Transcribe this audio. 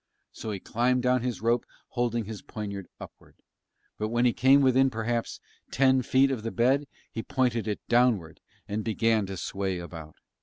So he climbed down his rope holding his poniard upward. But when he came within perhaps ten feet of the bed he pointed it downward and began to sway about.